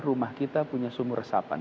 rumah kita punya sumur resapan